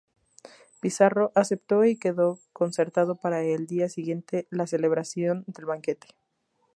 Pizarro aceptó y quedó concertado para el día siguiente la celebración del banquete.